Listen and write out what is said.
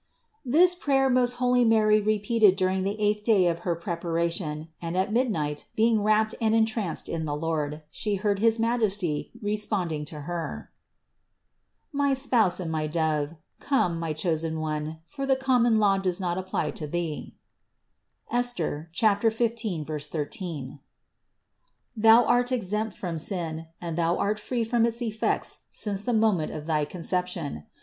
89. This prayer most holy Mary repeated during the eighth day of her preparation, and at midnight, being wrapped and entranced in the Lord, She heard his Majesty responding to Her : "My Spouse and my Dove, come, my Chosen one, for the common law does not apply to thee (Esther 15, 13). Thou art exempt from sin and thou art free from its effects since the moment of thy Conception.